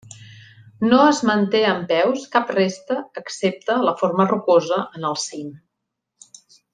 No es manté en peus cap resta excepte la forma rocosa en el cim.